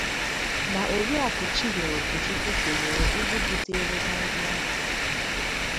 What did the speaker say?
na Oriakụ Chinyere Okechukwu kèlèrè ndị buteere ha ihe ahụ